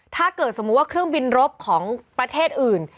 ถ้าเกิดสมมุติว่าเครื่องบินรบของประเทศอื่น